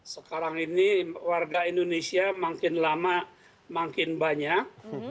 sekarang ini warga indonesia makin lama makin banyak